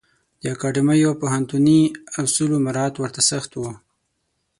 د اکاډمیو او پوهنتوني اصولو مرعات ورته سخت و.